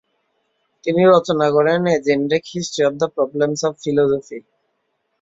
তিনি রচনা করেন- a genetic history of the problems of philosophy.